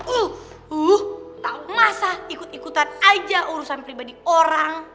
uh tau masa ikut ikutan aja urusan pribadi orang